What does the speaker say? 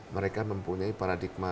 mereka mempunyai paradigma